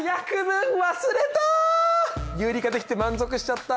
有理化できて満足しちゃった。